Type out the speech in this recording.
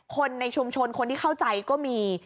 คนในชุมชนคนที่เข้าใจก็มี